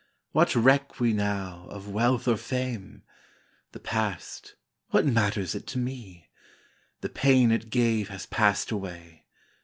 What reck we now of wealth or fame? The past what matters it to me? The pain it gave has passed away.